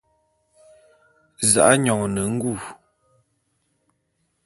Za'a nyone ngule.